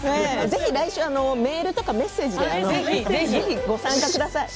ぜひ来週はメールとかメッセージでご参加ください。